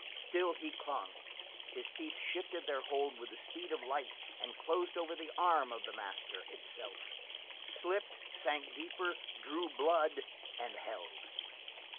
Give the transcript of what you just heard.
Still, he clung; his teeth shifted their hold with the speed of light and closed over the arm of the master itself, slipped, sank deeper, drew blood, and held.